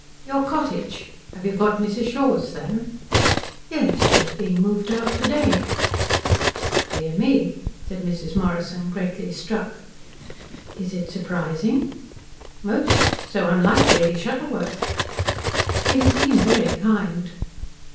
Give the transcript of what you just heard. "Your cottage? Have you got Mrs. Shaw's, then?" "Yes. She is being moved out to day." "Dear me," said Mrs. Morrison, greatly struck. "Is it surprising?" "Most. So unlike Lady Shuttleworth." "She has been very kind."